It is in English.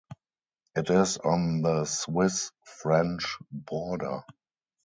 It is on the Swiss-French border.